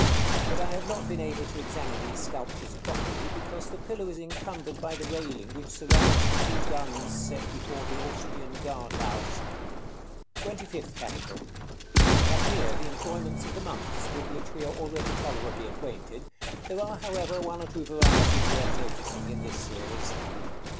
But I have not been able to examine these sculptures properly, because the pillar is encumbered by the railing which surrounds the two guns set before the Austrian guard house. § CXXIV. TWENTY FIFTH CAPITAL. We have here the employments of the months, with which we are already tolerably acquainted. There are, however, one or two varieties worth noticing in this series.